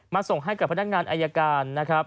มาส่งให้กับพนักงานอายการ